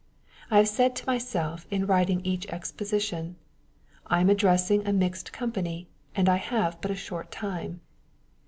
I have said to myself in writing each Exposition, ^^I am addressing a mixed Company, and I have but a short time."